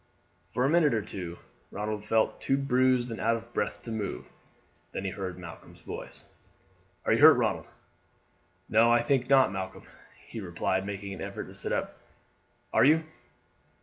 For a minute or two Ronald felt too bruised and out of breath to move. Then he heard Malcolm's voice: "Are you hurt, Ronald?" "No; I think not, Malcolm," he replied, making an effort to sit up. "Are you?"